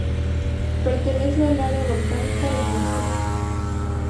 Pertenece al Área volcánica de Murcia.